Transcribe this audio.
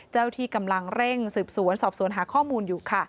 ที่กำลังเร่งสืบสวนสอบสวนหาข้อมูลอยู่ค่ะ